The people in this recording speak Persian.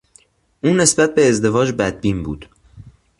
او نسبت به ازدواج بدبین بود.